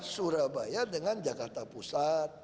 surabaya dengan jakarta pusat